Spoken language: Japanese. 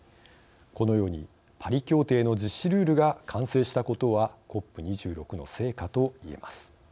このように、パリ協定の実施ルールが完成したことはＣＯＰ２６の成果といえます。